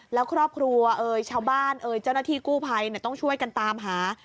แล้วครอบครัวชาวบ้านเจ้าหน้าที่กู้ไพรต้องช่วยกันตามหา